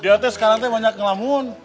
dia tuh sekarang tuh banyak ngelamun